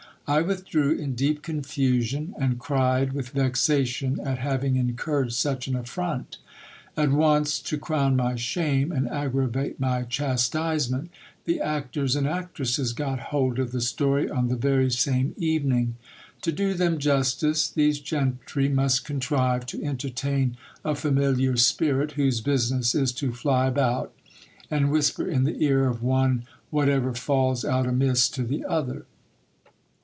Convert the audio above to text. I withdrew in deep confusion, and cried with vexation at having incurred such an affront. At once, to crown my shame and aggravate my chastisement, the actors and ac tresses got hold of the story on the very same evening. To do them justice, these gentry must contrive to entertain a familiar spirit, whose business is to fly about, and whisper in the ear of one whatever falls out amiss to the other.